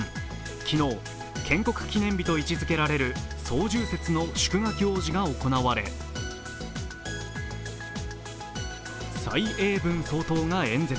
昨日、建国記念日と位置づけられる双十節の祝賀行事が行われ蔡英文総統が演説。